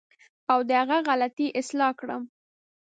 او د هغه غلطۍ اصلاح کړم.